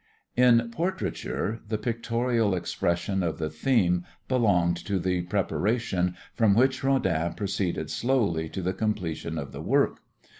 In portraiture the pictorial expression of the theme belonged to the preparation from which Rodin proceeded slowly to the completion of the work.